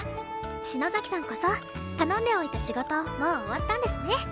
篠崎さんこそ頼んでおいた仕事もう終わったんですね。